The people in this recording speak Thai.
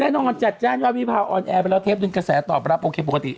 จัดแจ้งว่าวิพาออนแอร์ไปแล้วเทปหนึ่งกระแสตอบรับโอเคปกติ